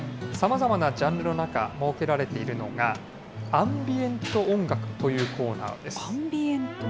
さまざまなジャンルの中、設けられているのが、アンビエント音楽というコーナーです。